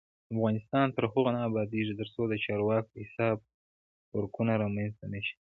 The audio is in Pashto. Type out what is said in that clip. افغانستان تر هغو نه ابادیږي، ترڅو د چارواکو حساب ورکونه رامنځته نشي.